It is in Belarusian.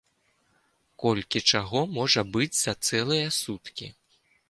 Колькі чаго можа быць за цэлыя суткі.